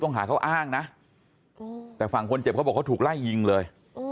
หาเขาอ้างนะแต่ฝั่งคนเจ็บเขาบอกเขาถูกไล่ยิงเลย